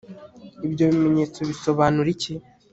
Ibyo bimenyetso bisobanura iki